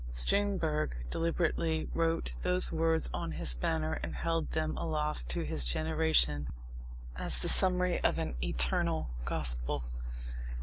Strindberg deliberately wrote those words on his banner and held them aloft to his generation as the summary of an eternal gospel.